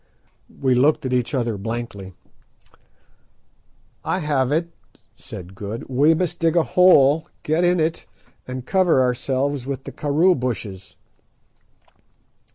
We looked at each other blankly. "I have it," said Good, "we must dig a hole, get in it, and cover ourselves with the karoo bushes."